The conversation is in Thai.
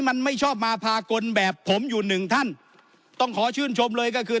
มันไม่ชอบมาพากลแบบผมอยู่หนึ่งท่านต้องขอชื่นชมเลยก็คือ